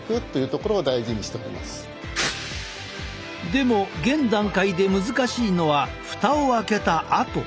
でも現段階で難しいのは蓋を開けたあと。